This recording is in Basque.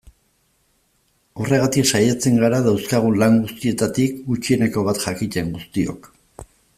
Horregatik saiatzen gara dauzkagun lan guztietatik gutxieneko bat jakiten guztiok.